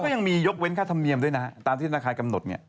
ก็ยังมียกเว้นค่าธรรมเนียมด้วยนะฮะตามที่ธนาคารกำหนดเนี่ย